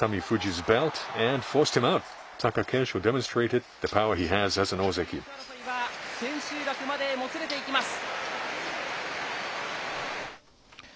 これで優勝争いは、千秋楽までもつれていきます。